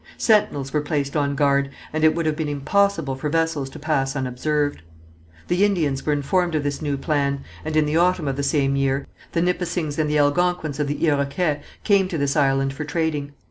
Sentinels were placed on guard, and it would have been impossible for vessels to pass unobserved. The Indians were informed of this new plan, and in the autumn of the same year, the Nipissings and the Algonquins of the Iroquet came to this island for trading.